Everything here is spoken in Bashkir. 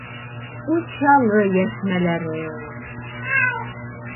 Учалы йәшмәләре!